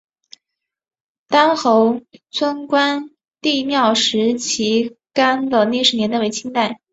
单侯村关帝庙石旗杆的历史年代为清代。